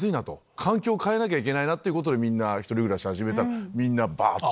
環境変えなきゃいけないなってことでみんなひとり暮らし始めたらみんなバっと。